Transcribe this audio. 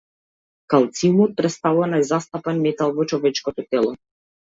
Калциумот претставува најзастапен метал во човечкото тело.